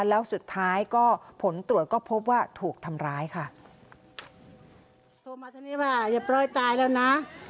แล้วสุดท้ายผลตรวจก็พบว่าถูกทำร้ายค่ะ